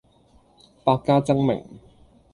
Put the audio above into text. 百家爭鳴